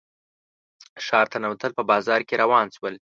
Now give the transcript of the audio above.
ښار ته ننوتل په بازار کې روان شول.